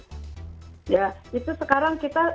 ya itu sekarang kita